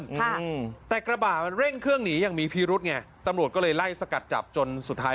ค่ะแต่กระบะมันเร่งเครื่องหนีอย่างมีพิรุษไงตำรวจก็เลยไล่สกัดจับจนสุดท้าย